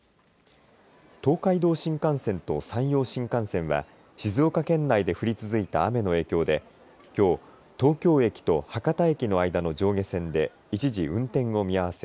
東海道新幹線と山陽新幹線は静岡県内で降り続いた雨の影響できょう東京駅と博多駅の間の上下線で一時、運転を見合わせ